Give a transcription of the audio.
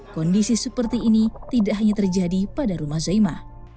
kondisi seperti ini tidak hanya terjadi pada rumah zaima